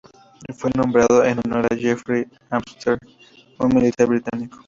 Fue nombrado en honor a Jeffrey Amherst, un militar británico.